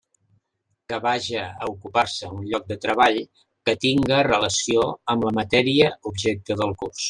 Que vaja a ocupar-se un lloc de treball que tinga relació amb la matèria objecte del curs.